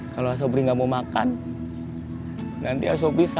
kalau asobri gak mau makan nanti asobri sakit